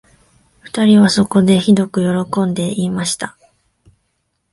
二人はそこで、ひどくよろこんで言いました